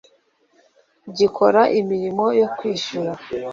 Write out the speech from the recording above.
gikora imirimo yo kwishyura